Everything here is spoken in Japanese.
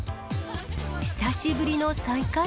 久しぶりの再会？